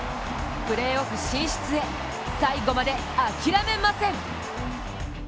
プレーオフ進出へ、最後まで諦めません。